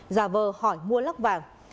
giả vờ hỏi mua lắc vàng